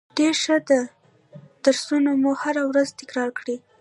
ډیره ښه ده درسونه مو هره ورځ تکرار کړئ